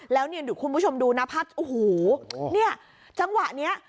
แล้วเนี่ยเดี๋ยวคุณผู้ชมดูนะภาพโอ้โหเนี่ยจังหวะเนี้ย